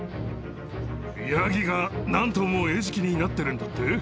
ヤギが南東も餌食になっているんだって？